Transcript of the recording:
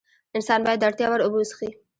انسان باید د اړتیا وړ اوبه وڅښي